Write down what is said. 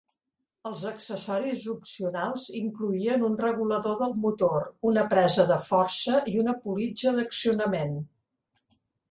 Els accessoris opcionals incloïen un regulador del motor, una presa de força i una politja d'accionament.